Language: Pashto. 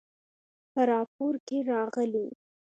په راپور کې راغلي